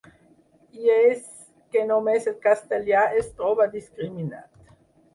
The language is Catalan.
I és que només el castellà es troba discriminat!